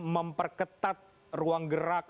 memperketat ruang gerak